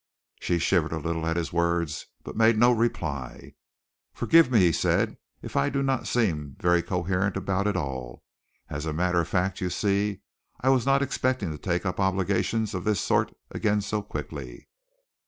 She shivered a little at his words, but made no reply. "Forgive me," he said, "if I do not seem very coherent about it all. As a matter of fact, you see, I was not expecting to take up obligations of this sort again so quickly."